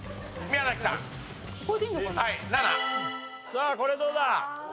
さあこれどうだ？